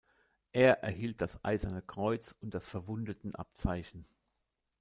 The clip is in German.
Er erhielt das Eiserne Kreuz und das Verwundetenabzeichen.